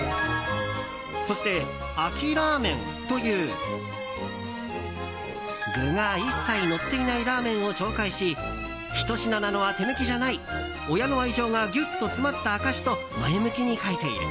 そして、あきらーめんという具が一切のっていないラーメンを紹介し１品なのは手抜きじゃない親の愛情がギュッと詰まった証しと前向きに書いている。